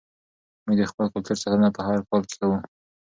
موږ د خپل کلتور ساتنه په هر حال کې کوو.